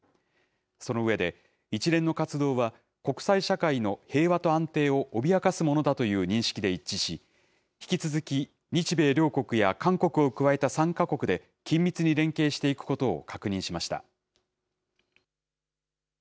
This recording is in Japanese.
その上で、一連の活動は国際社会の平和と安定を脅かすものだという認識で一致し、引き続き日米両国や韓国を加えた３か国で、緊密に連携していくことを確認しました。